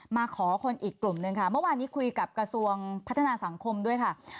มาขอคนอีกกลุ่มหนึ่งค่ะเมื่อวานนี้คุยกับกระทรวงพัฒนาสังคมด้วยค่ะ